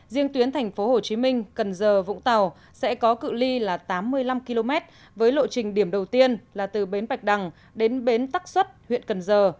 riêng tuyến tp hcm cần giờ vũng tàu sẽ có cự li là tám mươi năm km với lộ trình điểm đầu tiên là từ bến bạch đằng đến bến tắc xuất huyện cần giờ